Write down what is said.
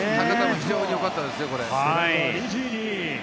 非常によかったですよ。